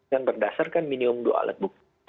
yang berdasarkan minimum dua alat bukti